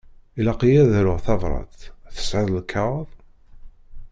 Ilaq-iyi ad aruɣ tabrat. Tesεiḍ lkaɣeḍ?